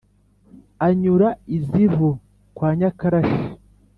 Anyura i Zivu kwa Nyakarashi